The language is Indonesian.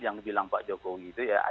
yang bilang pak jokowi itu ya